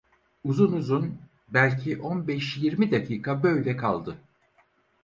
Uzun uzun, belki on beş yirmi dakika böyle kaldı.